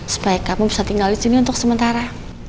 supaya kamu bisa tinggal di sini untuk sementara